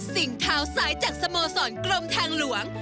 เท้าซ้ายจากสโมสรกรมทางหลวง